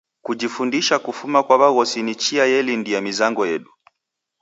Kujifundisha kufuma kwa w'aghosi ni chia yelindia mizango yedu.